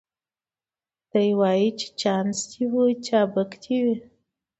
دی وايي چي چانس دي وي چابک دي وي